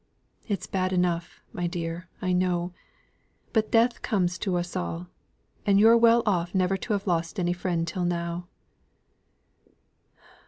It's bad enough, my dear, I know; but death comes to us all; and you're well off never to have lost any friend till now."